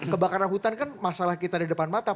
kebakaran hutan kan masalah kita di depan mata